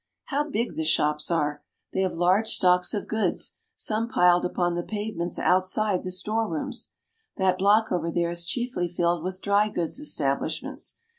How big the shops are! They have large stocks of PARA. 307 goods, some piled upon the pavements outside the store rooms. That block over there is chiefly filled with dry goods establishments.